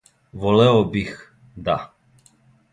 Волео бих да.